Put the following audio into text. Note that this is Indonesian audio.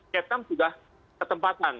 vietnam sudah ketempatan